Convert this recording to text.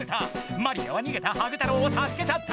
マリアはにげたハグ太郎をたすけちゃった！